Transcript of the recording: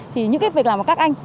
thì những cái việc làm của các anh